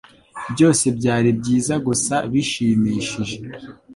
Byose byari byiza gusa bishimishije